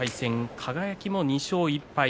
輝も２勝１敗。